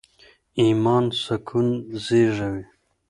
ایمان سکون زېږوي.